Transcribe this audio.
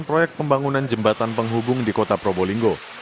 proyek pembangunan jembatan penghubung di kota probolinggo